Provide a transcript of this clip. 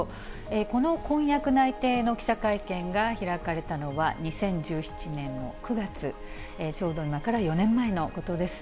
この婚約内定の記者会見が開かれたのは、２０１７年の９月、ちょうど今から４年前のことです。